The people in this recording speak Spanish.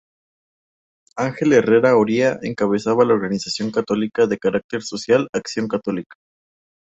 Ángel Herrera Oria encabezaba la organización católica de carácter social Acción Católica.